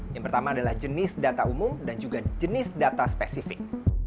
yang pertama adalah jenis data umum dan juga jenis data spesifik